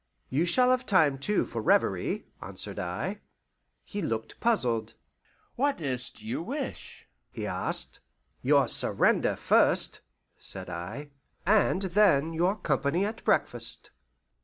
"You shall have time too for reverie," answered I. He looked puzzled. "What is't you wish?" he asked. "Your surrender first," said I, "and then your company at breakfast."